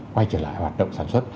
quay trở lại hoạt động sản xuất